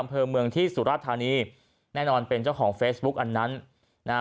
อำเภอเมืองที่สุราธานีแน่นอนเป็นเจ้าของเฟซบุ๊กอันนั้นนะฮะ